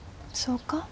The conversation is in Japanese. そうか？